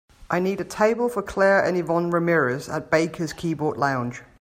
I need a table for clare and yvonne ramirez at Baker's Keyboard Lounge